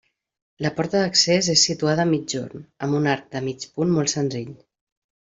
La porta d'accés és situada a migjorn, amb un arc de mig punt molt senzill.